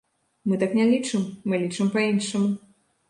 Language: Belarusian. Мы так не лічым, мы лічым па-іншаму.